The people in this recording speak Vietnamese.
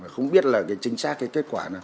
không biết chính xác kết quả